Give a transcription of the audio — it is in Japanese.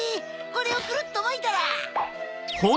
これをクルっとまいたら。